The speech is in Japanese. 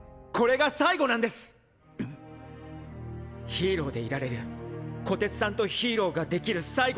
ヒーローでいられる虎徹さんとヒーローができる最後なんです。